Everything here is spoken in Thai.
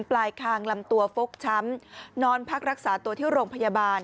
ปลายคางลำตัวฟกช้ำนอนพักรักษาตัวที่โรงพยาบาล